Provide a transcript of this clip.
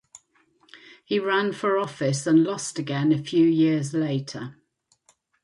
He ran for office and lost again a few years later.